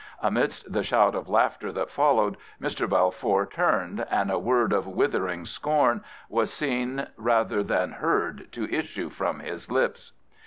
Amidst the shout of laughter that followed, Mr. Balfour turned, and a word of withering scorn was seen rather than heard to issue from his lips.